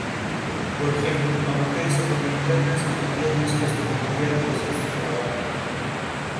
Se incorporó libre al Levante, retirándose a final de temporada.